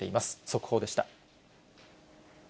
速報でした。